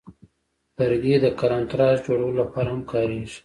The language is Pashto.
لرګی د قلمتراش جوړولو لپاره هم کاریږي.